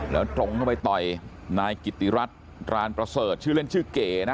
แล้วตรงเข้าไปต่อยนายกิติรัฐรานประเสริฐชื่อเล่นชื่อเก๋นะ